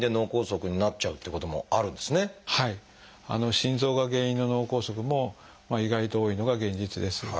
心臓が原因の脳梗塞も意外と多いのが現実です。